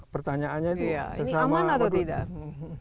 pertanyaannya itu ini aman atau tidak